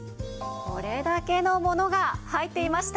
これだけのものが入っていました！